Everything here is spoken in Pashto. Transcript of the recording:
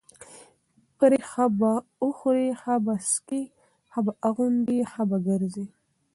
پرې ښه به خوري، ښه به څکي ښه به اغوندي، ښه به ګرځي،